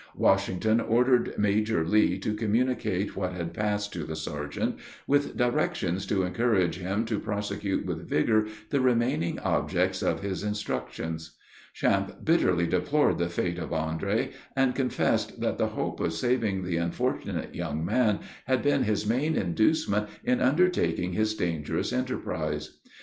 Washington ordered Major Lee to communicate what had passed to the sergeant, with directions to encourage him to prosecute with vigor the remaining objects of his instructions. Champe bitterly deplored the fate of Andre, and confessed that the hope of saving the unfortunate young man had been his main inducement in undertaking his dangerous enterprise.